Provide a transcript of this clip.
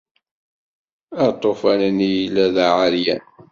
Aṭufan-nni yella d aεeryan.